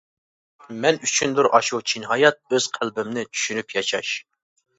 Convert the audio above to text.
مەن ئۈچۈندۇر ئاشۇ چىن ھايات، ئۆز قەلبىنى چۈشىنىپ ياشاش.